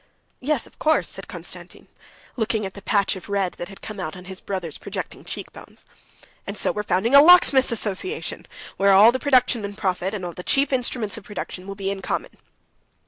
"Yes, of course," said Konstantin, looking at the patch of red that had come out on his brother's projecting cheekbones. "And so we're founding a locksmiths' association, where all the production and profit and the chief instruments of production will be in common."